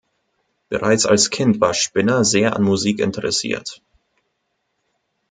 Bereits als Kind war Spinner sehr an Musik interessiert.